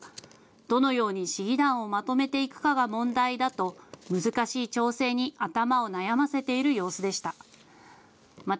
どのように市議団をまとめていくかが問題だと難しい調整に頭を悩ませている様子でした。